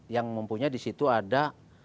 yang mempunyai disitu ada